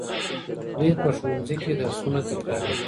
دوی په ښوونځي کې درسونه تکراروي.